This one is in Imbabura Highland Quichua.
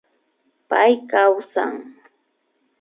Pay kawsan